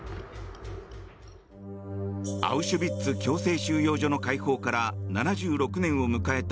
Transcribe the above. アウシュビッツ強制収容所の解放から７６年を迎えた